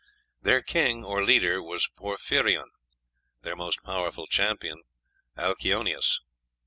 "Their king or leader was Porphyrion, their most powerful champion Alkyoneus."